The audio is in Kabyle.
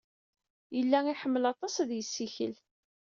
Yella iḥemmel aṭas ad yessikel.